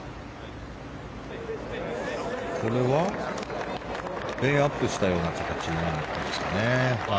これはレイアップしたような形になるんですかね。